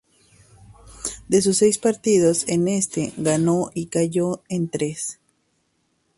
De sus seis partidos en este, ganó y cayó en tres.